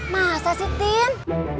masa sih tin